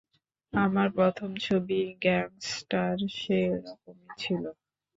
আমার প্রথম ছবি গ্যাংস্টার সে রকমই ছিল।